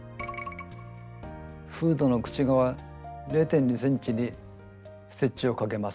フードの口側０．２ｃｍにステッチをかけます。